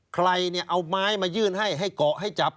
ใครเนี่ยเอาไม้มายื่นให้ให้เกาะให้จับ